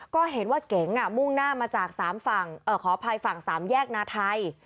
ก็เห็นว่าเก๋งมุ่งหน้ามาจาก๓ฝั่งขออภัยฝั่ง๓แยกนาไทย